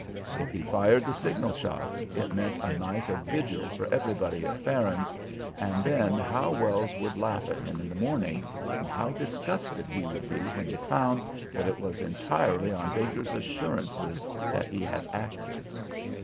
If he fired the signal shots it meant a night of vigil for everybody at Farron's and then how Wells would laugh at him in the morning, and how disgusted he would be when he found that it was entirely on Baker's assurances that he had acted!